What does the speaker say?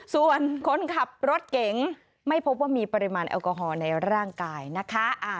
ส่วนคนขับรถเก๋งไม่พบว่ามีปริมาณแอลกอฮอล์ในร่างกายนะคะ